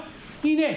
いいね？